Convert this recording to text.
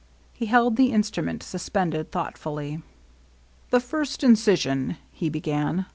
He held the instrument suspended, thoughtfully. "The first incision" — he began.